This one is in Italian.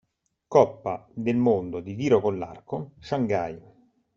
Coppa del mondo di tiro con l'arco, shanghai.